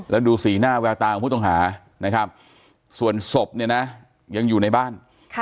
แล้วดูสีหน้าแววตาของผู้ต้องหานะครับส่วนศพเนี่ยนะยังอยู่ในบ้าน